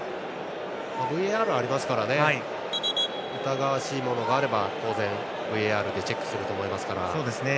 ＶＡＲがありますから疑わしいものがあれば当然ＶＡＲでチェックすると思いますから。